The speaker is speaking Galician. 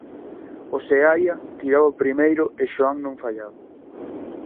O Seaia tiraba primeiro e Xoán non fallaba.